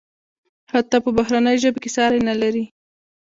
حتی په بهرنیو ژبو کې ساری نلري.